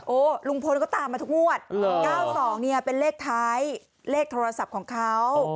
ลุงพลก็ตามมาทุกงวด๙๒เนี่ยเป็นเลขท้ายเลขโทรศัพท์ของเขา